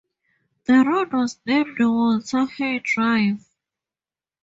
The road was named Walter Hay Drive.